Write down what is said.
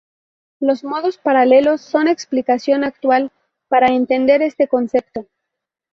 Los modos paralelos son la explicación actual para entender este concepto.